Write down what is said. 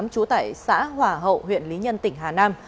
chú tại xã hỏa hậu huyện lý nhân tỉnh hà nam